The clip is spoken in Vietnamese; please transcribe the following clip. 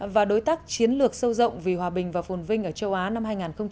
và đối tác chiến lược sâu rộng vì hòa bình và phồn vinh ở châu á năm hai nghìn hai mươi